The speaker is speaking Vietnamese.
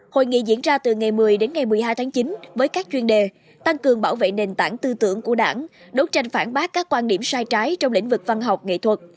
hội nghị diễn ra từ ngày một mươi đến ngày một mươi hai tháng chín với các chuyên đề tăng cường bảo vệ nền tảng tư tưởng của đảng đấu tranh phản bác các quan điểm sai trái trong lĩnh vực văn học nghệ thuật